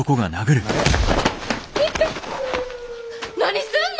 何すんの！